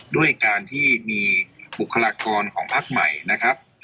ด้วยการที่มีบุคลากรของพักใหม่นะครับ